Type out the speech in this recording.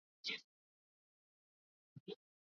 uhalifu huo unafafanuliwa katika sheria ya kimataifa